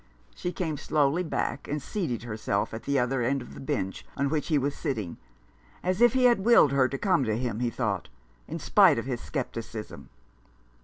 She came slowly back, and seated herself at the other end of the bench on which he was sitting ; as if he had willed her to come to him, he thought, in spite of his scepticism.